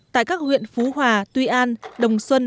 tại các huyện phú hòa tuy an đồng xuân sơn hội